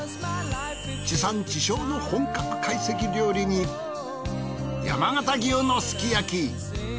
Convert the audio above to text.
地産地消の本格懐石料理に山形牛のすき焼き。